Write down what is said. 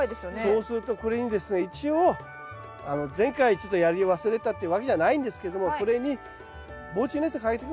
そうするとこれにですね一応前回ちょっとやり忘れたっていうわけじゃないんですけどもこれに防虫ネットかけとけば大丈夫です。